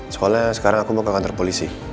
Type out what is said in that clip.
sekolah sekarang aku mau ke kantor polisi